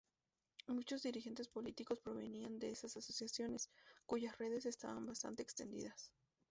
Muchos dirigentes políticos provenían de esas asociaciones, cuyas redes estaban bastante extendidas.